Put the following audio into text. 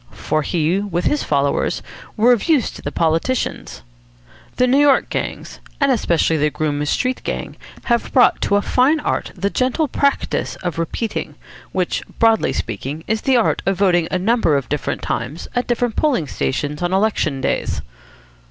For he, with his followers, were of use to the politicians. The New York gangs, and especially the Groome Street Gang, have brought to a fine art the gentle practice of "repeating"; which, broadly speaking, is the art of voting a number of different times at different polling stations on election days.